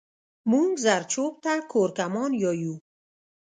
مونږ زرچوب ته کورکمان يايو